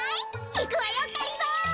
いくわよがりぞー！